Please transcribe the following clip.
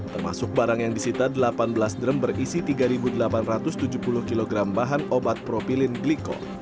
termasuk barang yang disita delapan belas drum berisi tiga delapan ratus tujuh puluh kg bahan obat propilin glikop